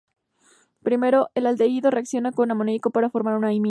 Primero, el aldehído reacciona con amoniaco para formar una imina.